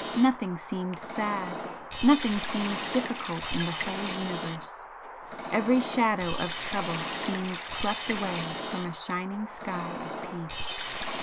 Nothing seemed sad, nothing seemed difficult in the whole Universe every shadow of trouble seemed swept away from a shining sky of peace.